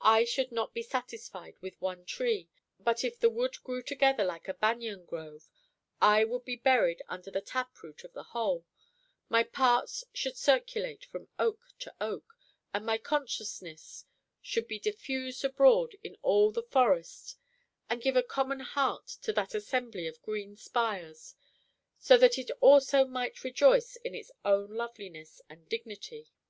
I should not be satisfied with one tree; but if the wood grew together like a banyan grove, I would be buried under the tap root of the whole; my parts should circulate from oak to oak; and my consciousness should be diffused abroad in all the forest, and give a common heart to that assembly of green spires, so that it also might rejoice in its own loveliness and dignity.